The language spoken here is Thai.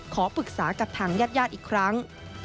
ขอปรึกษากับทางญาติญาติอีกครั้ง